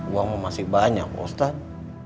uangmu masih banyak ustadz